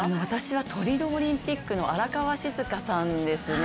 トリノオリンピックの荒川静香さんですね。